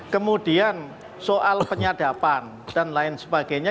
kemudian soal penyadapan dan lain sebagainya